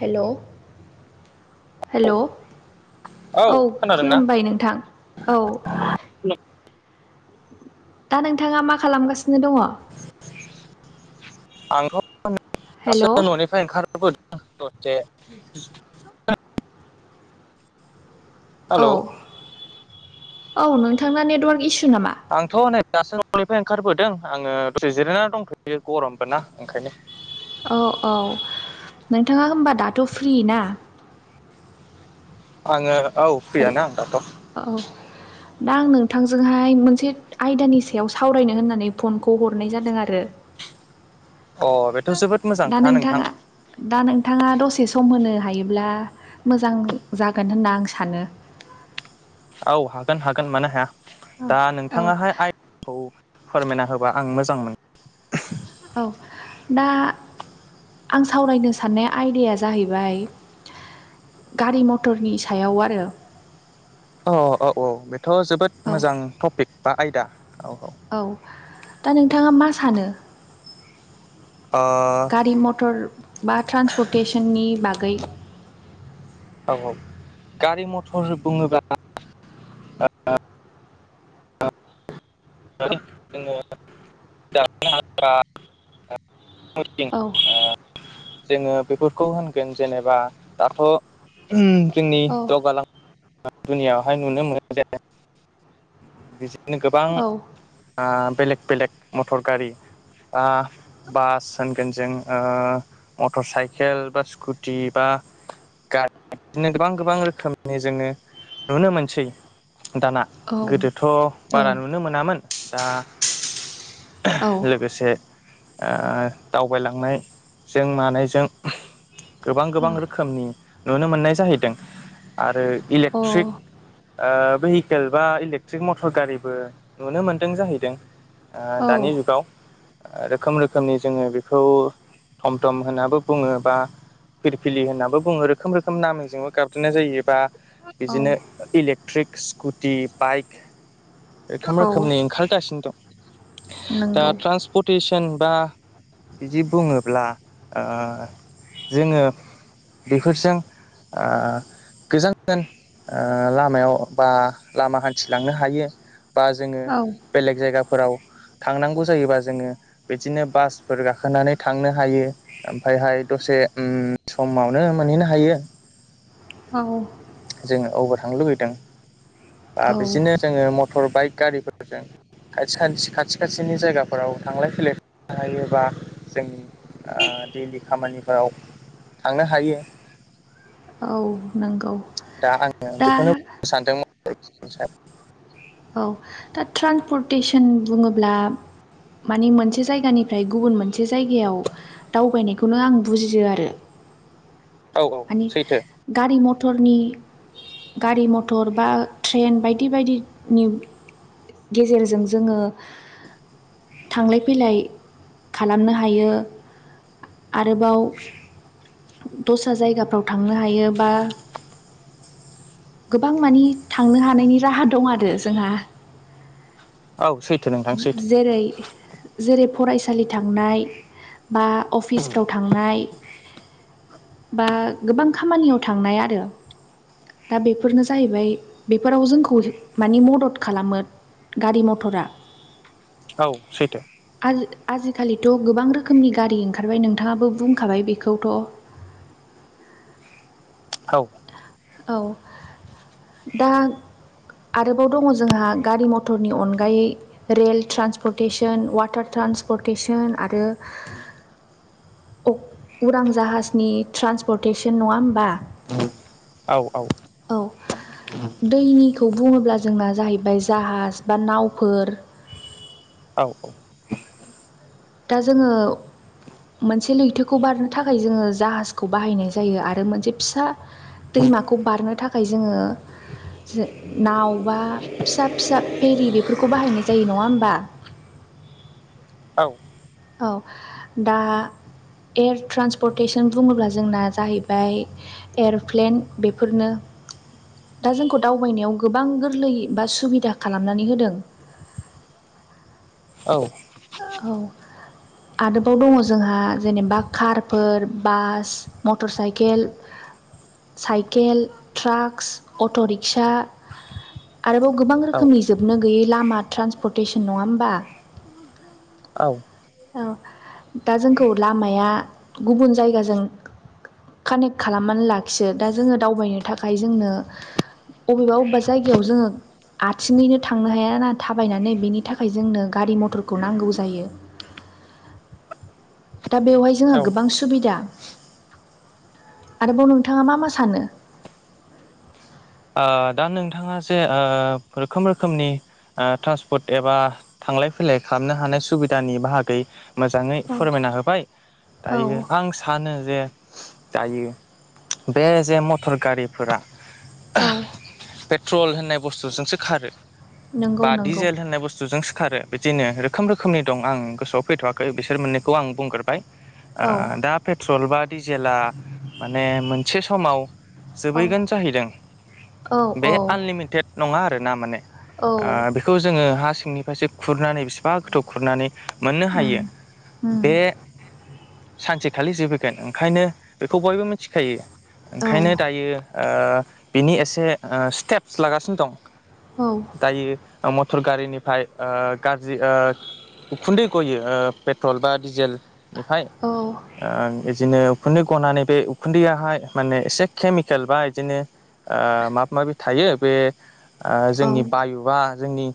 हेल' hello औ खुलुमबाय नोंथां औ दा नोंथाङा मा खालामगासिनो दङ। आंथ' हेलौ दासो न'निफ्राय ओंखारबोदों दसे औ हेल' औ नोंथांना नेटवार्क इसु नामा आंथ' नै दासो ननिफ्राय ओंखारबोदों आङो दसे जिरायनानै दंथ'यो गरमबो ना ओंखायनो औ औ नोंथाङा होमबा दाथ' फ्रि ना? आङो औ हेल फ्रियानो आं दाथ' औ दा आं नोंथांजोंहाय मोनसे आयदानि सायाव सावरायनो होननानै फनखौ हरनाय जादों आरो [inaudible] अ बेथ' जोबोद मोजां दा खोथा नोंथां नोंथाङा दा नोंथाङा दसे सम होनो हायोब्ला मोजां जागोन होनना आं सानो औ हागोन हागोन मानो हाया औ दा औ नोंथाङाहाय आयदाखौ फोरमायना होबा आं मोजां [unintelligible] औ दा आं सावरायनो साननाय आयदाया जाहैबाय। गारि मथरनि सायाव आरो औ औ औ बेथ' जोबोद औ मोजां टपिक बा आयदा औ दा नोंथाङा मा सानो ओ गारि मटर बा ट्रान्सपर्टेतेसननि बागै औ औ गारि मथर बुङोब्ला [unintelligible] [unintelligible] औ जोङो बेफोरखौ होनगोन जेनेबा दाथ' जोंनि औ दावगालां [unintelligible] दुनियावहाय नुनो मोनो जे बिदिनो गोबां औ ओ बेलेग बेलेग मटर गारि बा बास होनगोन जों ओ मटर साइकेल बा स्कुटि बा गारि बिदिनो गोबां गोबां रोखोमनि जोङो नुनो मोनसै दाना औ गोदोथ' बारा औ नुनो मोनामोन दा अ लोगोसे ओ दावबायलांनायजों मानायजों गोबां गोबां रोखोमनि नुनो मोननाय जाहैदों आरो इलेकट्रिक भेहिकेल बा इलेकट्रिक मटर गारिबो नुनो मोन्दों जाहैदों औ दानि जुगाव रोखोम रोखोमनि जोङो बेखौ थम थम होनाबो बुङो बा फिलफिलि होननानै बुङो रोखोम रोखोम नामजोंबो गाबज्रिनाय जायो बा औ बिदिनो इलेक्ट्रिक स्कुटि बाइक रोखोम औ रोखोमनि ओंखारगासिनो दं। दा नंगौ ट्रान्सपर्टेतेसन [unintelligible] बा बिदि बुङोब्ला ओ जोङो बेफोरजों गोजान गोजान ओ लामायाव बा लामा हान्थिलांनो हायो। बा जोङो औ बेलेग जायगाफोराव थांनांगौ जायोबा जोङो बिदिनो बासफोर गाखोनानै थांनो हायो ओमफ्रायहाय दसे दसे समावनो मोनहैनो हायो। औ जोङो अबाव थांनो लुुबैदों बा औ बिदिनो जोङो मटर बाइक गारिफोरजों खाथि खाथि खाथिनि जायगाफोराव थांलाय फैलाय हायोबा जों दैलि खामानिफोराव थांनो हायो। औ नंगौ। दा आङो दा बेखौनो बुंनो सानदोंमोन [unintelligible] औ दा ट्रानपर्टेतेसन बुङोब्ला माने मोनसे जायगानिफ्राय गुबुन मोनसे जायगायाव दावबायनायखौनो आं बुजियो आरो। औ औ माने सैथो गारि म थरनि गारि मथर बा ट्रेन बायदि बायदि नि गेजेरजों जोङो थांलाय फैलाय खालामनो हायो। आरोबाव दस्रा जायगाफ्राव थांनो हायो बा गोबां मानि थांनो हानायनि राहा दं आरो जोंहा। औ सैथो नोंथां सैथो ज-जेरै जेरै फरायसालि थांनाय बा अफिसफ्राव थांनाय। बा गोबां खामानियाव थांनाय आरो। दा बेफोरनो जाहैबाय बेफोराव जोंखौ मानि मदद खालामो। गारि मथरा। औ सैथो। आजि-आजिखालिथ' गोबां रोखोमनि गारि ओंखारबाय। नोंथाङाबो बुंखाबाय बे बेखौथ'। औ। औ दा आरोबाव दङ जोंहा गारि मथरनि अनगायै रेल ट्रेान्सपर्टेसन वाटार ट्रा ट्रान्सपर्टेसन आरो उरां जाहाजनि ट्रन्सपर्टेसन नङा होमबा? औ औ दैनि खौ बुङोब्ला जोंना जाहैबाय जाहाज बा नावफोर। औ औ। दा जोङो मोनसे लैथोखौ बारनो थाखाय जोङो जाहाजखौ बाहायनाय जायो आरो मोनसे फिसा दैमाखौ बारनो थाखाय जोङो नाव बा फिसा फिसा फेरि बेफोरखौ बाहायनाय जायो नङा होमबा? औ। औ दा एयार ट्रान्न्सपर्टेसन बुङोब्ला जोंना जाहैबाय एर'प्लेन बेफोरनो दा जोंखौ दावबायनायाव गोबां गोरलै बा सुबिदा खालामनानै होदों। औ। औ। आरोबाव दङ जोंहा जेनेबा कारफोर, बास, मथर cycle, cycle, trucks, auto rickshaw. आरोबाव गोबां औ रोखोमनि जोबनो गैयै लामा ट्रान्सपर्टेसन नङा होमबा? औ। औ दा जोंखौ लामाया गुबुन जायगाजों कानेक्ट खालामनानै लाखियो। दा जोङो दावबायनो थाखाय जोंनो अबेबा अबेबा जायगायाव जोङो आथिङैनो थांनो हायाना थाबायनानै बेनि थाखाय जोंनो गारि मथरखौ नांगौ जायो। दा बेवहाय जोंहा ओ गोबां सुबिदा। आरोबाव नोंथाङा मा मा सानो? ओ दा नोंथाङा जे ओ रोखोम रोखोमनि ट्रान्सपर्ट एबा थांलाय फैलाय लाय खालामनो हानाय सुबिदानि बाहागै मोजाङै औ फोरमायना होबाय। दायो आं औ सानो जे जायो बे जे मटर गारिफोरा। औ पेट्रल होननाय बुस्थुजोंसो खारो नंगौ बा नंगौ डिजेल होननाय बुस्थुजोंसो खारो बिदिनो रोखोम रोखोमनि दं आं गोसोआव फैथ'वाखै बिसोर मोननैखौ आं बुंग्रोबाय। ओ औ दा पेट्रल बा डिजेला माने मोनसे समाव औ जोबहैगोन जाहैदों औ बे औ आनलिमिटेड नङा आरोना माने। औ ओ बेखौ जोङो हा सिंनि फारसे खुरनानै बेसिबां गोथौ खुरनानै मोननो उम हायो उम बे सानसे थालि जोब फैगोन ओंखायनो बेखौ बयबो मिथिखायो औ ओंखायनो दायो ओ बिनि एसे ओ स्टेप्स लागासिनो दं औ दायो [unintelligible] फोर गारिनिफ्राय ओ गाज्रि ओ उखुन्दै गयो ओ पेट्रल बा डिजेल इनिफाय औ ओ इदिनो - उखुन्दै गनानै बे उखुन्दैयाहाय माने एसे केमिकेल बा इदिनो ओ माबा माबि थायो बे ओ औ जोंनि बायुआ जोंनि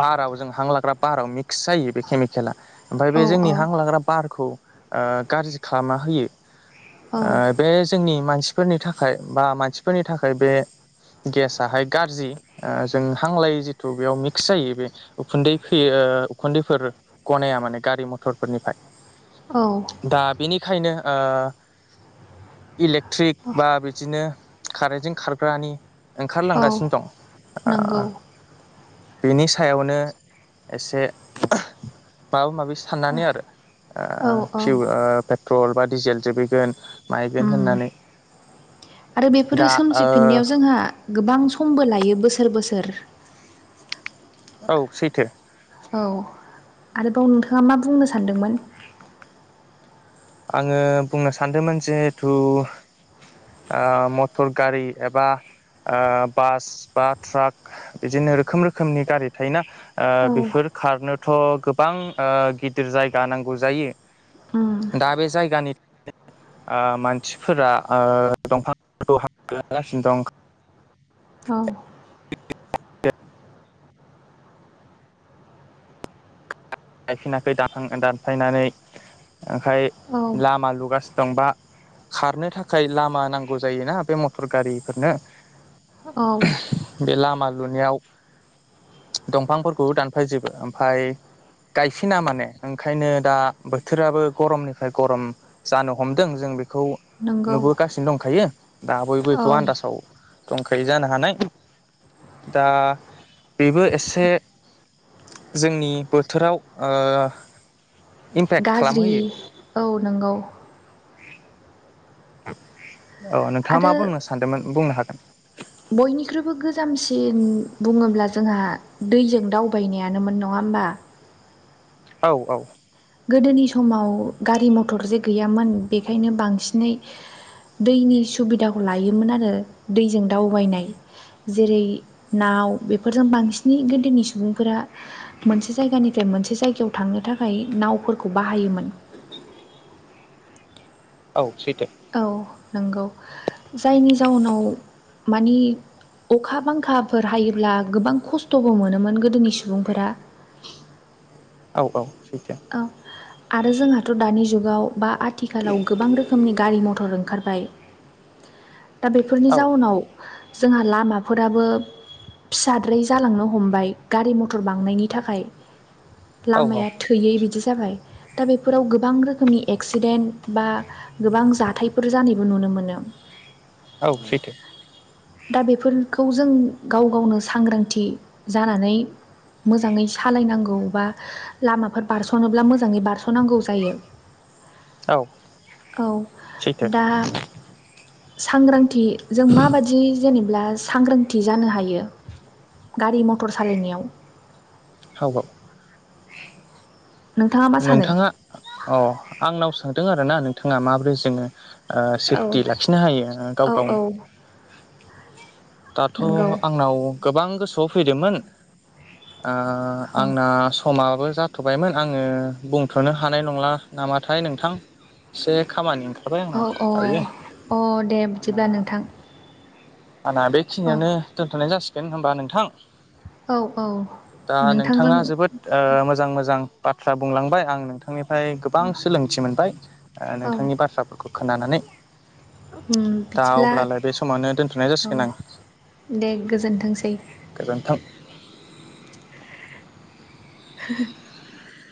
बाराव जों हां लाग्रा बाराव मि क्स जायो बे केमिकेला ओमफाय बे औ जोंनि हां लाग्रा बारखौ ओ गारजि खालामना होयो। औ ओ बे जोंनि मानसिफोरनि थाखाय बा मानसिफोरनि थाखाय बे गेसाहाय गाज्रि ओ जों हांलाय जिथु बेयाव मिक्स जायो बे उखुन्दै फैयो। ओ उखुन्दैफोर गनाया माने गारि औ मथरफोरनिफ्राय। दा बेनिखायनो ओ इलेक्ट्रिक बा बिदिनो कारेन्टजों खारग्रानि औ ओंखारलांगासिनो दं ओ नंगौ बेनि सायावनो एसे माबा माबि साननानै आरो ओ औ फिउ औ ओ पेट्रल बा डिजेल जोबहैगोन। मायगोन उम होननानै आरो बेफोरो दा ओ सोमजिफिननायाव जोंहा गोबां समबो लायो बोसोर बोसोर। औ सैथो। औ आरोबाव नोंथाङा मा बुंनो सानदोंमोन? आङो बुंनो सानदोंमोन जिहथु आ मटर गारि एबा ओ बास बा ट्राक बिदिनो रोखोम रोखोमनि गारि थायोना ओ औ बेफोर खारनोथ' गोबां ओ गिदिर जायगा नांगौ जायो। उम। दा बे जायगानि ओ मानसिफोरा ओ दंफांफोरखौ हागासिनो दं। औ। गायफिनाखै दानना दानफायनानै। ओमफ्राय औ लामा लुगासिनो दं बा। खारनो थाखाय लामा नांगौ जायोना बे मटर गारिफोरनो। औ। बे लामा लुनायाव दंफांफोरखौ दानफायजोबो ओमफाय। गायफिना माने ओंखायनो दा बोथोराबो गरमनिफ्राय गरम जानो हमदों जों बे बेखौ नंगौ नुबोगासिनो दंखायो दा बयबो औ बेखौ आन्दासाव दंखायो जानो हानाय दा बेबो एसे जोंनि बोथोराव ओ इमफेक्ट गाज्रि खालामहोयो। औ नंगौ। औ नोंथाङा आरो मा बुंनो सानदोंमोन बुंनो हागोन। बयनिख्रुइबो गोजामसिन बुङोब्ला जोंहा दैजों दावबायनायानोमोन नङा होन बा। औ औ। गोदोनि समाव गारि मथर जे गैयामोन बेखायनो बांसिनै दैनि सुबिदाखौ लायोमोन आरो दैजों दावबायनाय जेरै ना व बेफोरजों बांसिनै गोदोनि सुबुंफोरा मोनसे जायगानिफ्राय मोनसे जायगायाव थांनो थाखाय नावफोरखौ बाहायोमोन औ सैथो औ नंगौ जायनि जाउनाव मानि अखा बांखाफोर हायोब्ला गोबां खस्थ'बो मोनोमोन गोदोनि सुबुंफोरा औ औ सैथो औ आरो जोंहाथ' दानि जुगाव बा आथिखालाव गोबां रोखोमनि गारि मथर ओंखारबाय दा बेफोरनि औ जाउनाव जोंहा लामाफोराबो फिसाद्राय जालांनो हमबाय गारि मथर बांनायनि थाखाय औ लामाया दि जाबाय दा बेफोराव गोबां रोखोमनि एक्सिडेन बा गोबां जाथायफोर बेबो नुनो मोनो औ सैथो दा बेफोरखौ जों गाव गावनो सांग्रांथि जानानै मोजाङै सालायनांगौ बा लामाफोर बारस'नोब्ला मोजाङै बारस'नांगौ जायो औ औ सैथो दा सांग्रांथि जों माबादि जेनेब्ला सांग्रांथि जानो हायो गारि मटर सालायनायाव औ औ नोंथाङा मा सानो? नोंथाङा अ आंनाव सोंदों आरोना नोंथाङा माबोरै जोङो ओ औ सेफटि लाखिनो हायो औ गाव औ गावनो दाथ' नंगौ आंनाव गोबां गोसोआव फैदोंमोन ओ औ आंना समाबो जाथ'बायमोन आङो बुंथ'नो हानाय नंला नामाथाय नोंथां एसे खामानि थाबाय औ आंना अ दायो अ दे आंना बिदिब्ला नोंथां आंना औ बेखिनियावनो दोनथ'नाय जासिगोन होनोमबा नोंथां औ औ दा नोंथांजों नोंथाङा जोबोद मोजां मोजां बाथ्रा बुंलांबाय आं नोंथांनिफ्राय गोबां सोलोंथि मोनबाय औ नोंथांनि बाथ्राफोरखौ खोनानानै उम दा अब्लालाय बे समावनो दोनथ'नाय जासिगोन ओ आं दे गोजोनथोंसै गोजोन्थों [inaudible]